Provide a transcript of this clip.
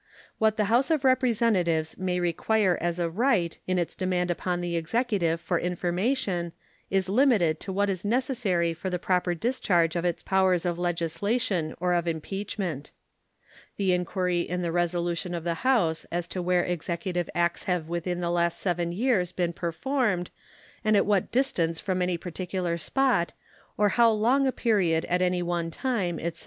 What the House of Representatives may require as a right in its demand upon the Executive for information is limited to what is necessary for the proper discharge of its powers of legislation or of impeachment. The inquiry in the resolution of the House as to where executive acts have within the last seven years been performed and at what distance from any particular spot or for how long a period at any one time, etc.